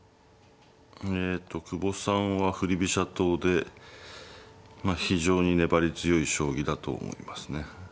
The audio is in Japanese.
えと久保さんは振り飛車党でまあ非常に粘り強い将棋だと思いますね。